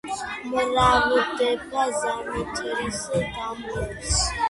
მრავლდება ზამთრის დამლევს.